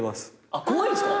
怖いんすか？